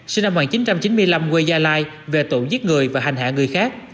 sinh năm một nghìn chín trăm chín mươi năm quê gia lai về tội giết người và hành hạ người khác